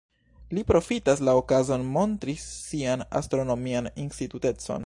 Li profitas la okazon montri sian astronomian instruitecon.